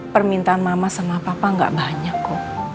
permintaan mama sama bapak enggak banyak kok